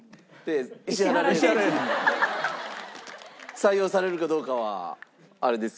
採用されるかどうかはあれですけども。